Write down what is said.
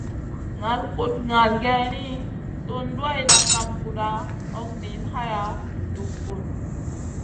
Ŋal kuɗ ŋal geyni, tun duwayda kam kuɗa, hog niyn haya, dug vun.